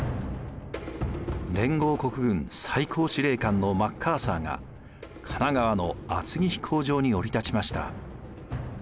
連合国軍最高司令官のマッカーサーが神奈川の厚木飛行場に降り立ちました。